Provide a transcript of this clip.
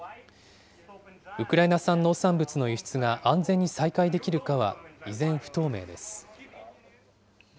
ウクライナ産農産物の輸出が安全に再開できるかは、依然、不透明です。